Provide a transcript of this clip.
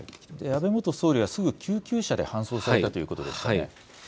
安倍元総理大臣はすぐ救急車で搬送されたということですね。